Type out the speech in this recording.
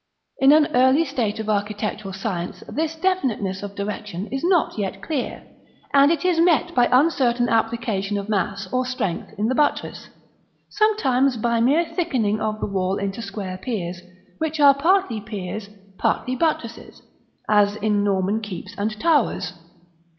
In an early state of architectural science this definiteness of direction is not yet clear, and it is met by uncertain application of mass or strength in the buttress, sometimes by mere thickening of the wall into square piers, which are partly piers, partly buttresses, as in Norman keeps and towers.